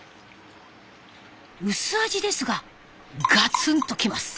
薄味ですがガツンときます。